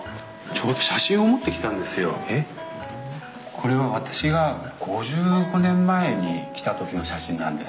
これは私が５５年前に来た時の写真なんです。